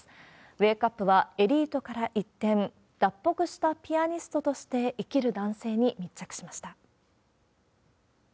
ウェークアップは、エリートから一転、脱北したピアニストとして生きる男性に密着しました。